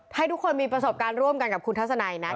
ให้ทุกคนมีประสบการณ์ร่วมกันกับคุณทัศนัยนะ